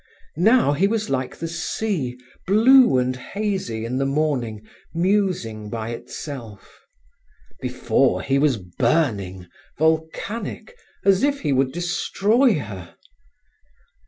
Now he was like the sea, blue and hazy in the morning, musing by itself. Before, he was burning, volcanic, as if he would destroy her.